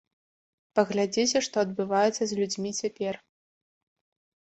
Паглядзіце, што адбываецца з людзьмі цяпер.